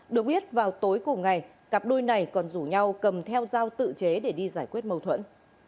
được biết vào tối cùng ngày cặp đôi này còn rủ nhau cầm theo dao tự chế để đi giải quyết mâu thuẫn